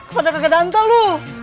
pada kagak dantal lu